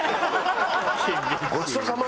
ごちそうさま？